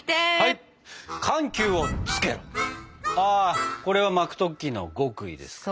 あこれは巻く時の極意ですか？